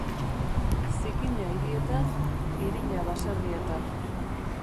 Zikina hirietan, irina baserrietan.